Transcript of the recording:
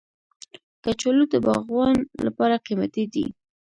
کچالو د باغوان لپاره قیمتي دی